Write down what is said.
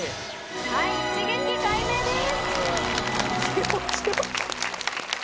はい一撃解明です。